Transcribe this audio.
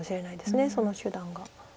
その手段が。